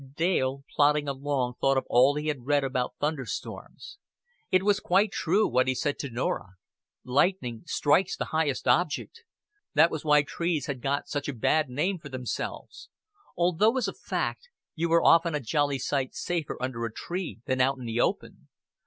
Dale plodding along thought of all he had read about thunder storms. It was quite true, what he said to Norah. Lightning strikes the highest object. That was why trees had got such a bad name for themselves; although, as a fact, you were often a jolly sight safer under a tree than out in the open.